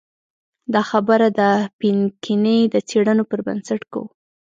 دا خبره د پینکني د څېړنو پر بنسټ کوو.